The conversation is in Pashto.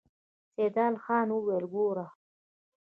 سيدال خان وويل: ګوره!